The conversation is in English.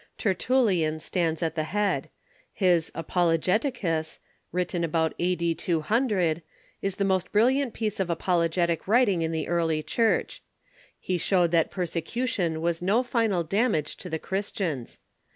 TertuUian stands at the head. His " Apologeticus," written about A.D. 200, is the most brilliant piece of apologetic writing in the Early Church, lie showed that persecution Roman ^^^^ gj ,g^j damage to the Christians.